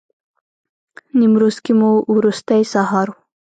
نیمروز کې مو وروستی سهار و.